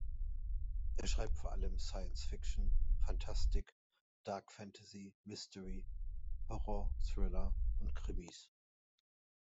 Er schreibt vor allem Science Fiction, Fantastik, Dark Fantasy, Mystery, Horror, Thriller und Krimis.